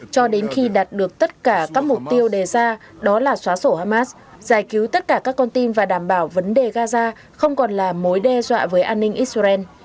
cho đến khi đạt được tất cả các mục tiêu đề ra đó là xóa sổ hamas giải cứu tất cả các con tin và đảm bảo vấn đề gaza không còn là mối đe dọa với an ninh israel